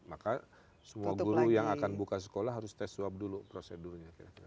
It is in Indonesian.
maka semua guru yang akan buka sekolah harus tes swab dulu prosedurnya